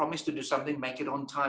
jika anda berjanji untuk melakukan sesuatu